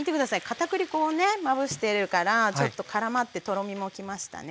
片栗粉をねまぶしてるからちょっとからまってとろみもきましたね。